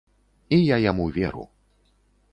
І я яму веру.